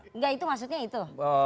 enggak itu maksudnya itu